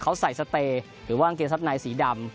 เขาใส่สเตย์หรือว่ากางเกงซับในสีดำ